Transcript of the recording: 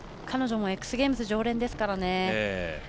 彼女もＸゲームズ常連ですから。